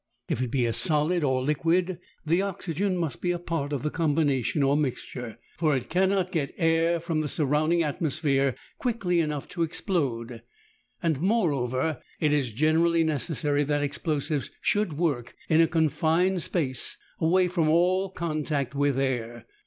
If it be a solid or liquid the oxygen must be a part of the combination or mixture, for it cannot get air from the surrounding atmosphere quickly enough to explode; and, moreover, it is generally necessary that explosives should work in a confined space away from all contact with air.